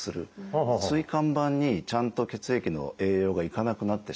椎間板にちゃんと血液に栄養が行かなくなってしまう。